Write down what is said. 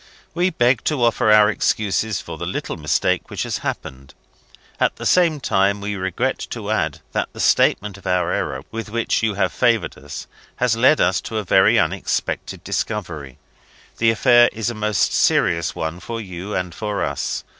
We beg to offer our excuses for the little mistake which has happened. At the same time, we regret to add that the statement of our error, with which you have favoured us, has led to a very unexpected discovery. The affair is a most serious one for you and for us.